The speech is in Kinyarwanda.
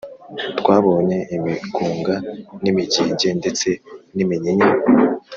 Twabonye imigunga n’imigenge, ndetse n’iminyinya